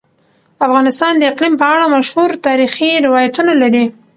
افغانستان د اقلیم په اړه مشهور تاریخی روایتونه لري.